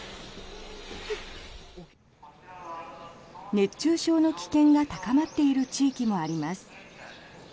熱中症の危険が高まっている地域もあります。